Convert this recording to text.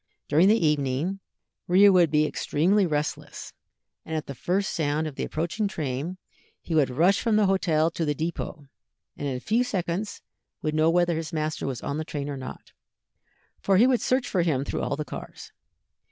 During the evening, Rio would be extremely restless, and at the first sound of the approaching train he would rush from the hotel to the dépôt, and in a few seconds would know whether his master was on the train or not, for he would search for him through all the cars.